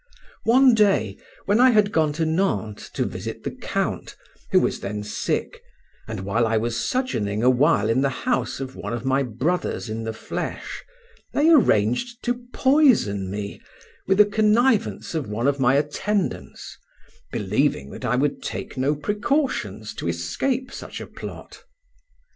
One day, when I had gone to Nantes to visit the count, who was then sick, and while I was sojourning awhile in the house of one of my brothers in the flesh, they arranged to poison me, with the connivance of one of my attendants, believing that I would take no precautions to escape such a plot.